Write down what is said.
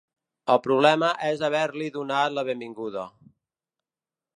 El problema és haver-li donat la benvinguda.